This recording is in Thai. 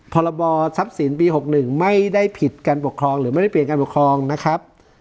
พรบทรัพย์สินปี๖๑ไม่ได้ผิดการปกครองหรือไม่ได้เปลี่ยนการปกครองนะครับ